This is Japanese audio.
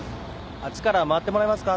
あっちから回ってもらえますか？